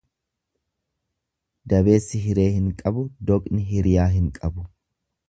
Dabeessi hiree hin qabu doqni hiriyaa hin qabu.